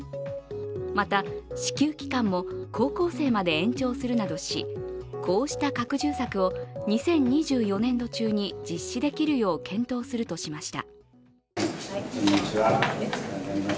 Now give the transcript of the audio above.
また、支給期間も高校生まで延長するなどし、こうした拡充策を２０２４年度中に実施できるよう検討するとしました。